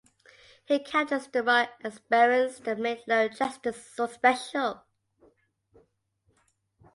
He captures the raw exuberance that made Lone Justice so special.